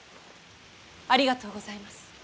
ありがとうございます。